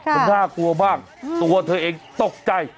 มันน่ากลัวมากตัวเธอเองตกใจ